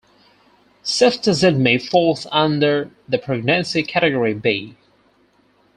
Ceftazidime falls under the pregnancy category B.